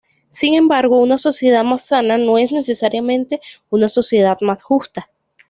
Sin embargo una sociedad más sana no es necesariamente una sociedad más justa.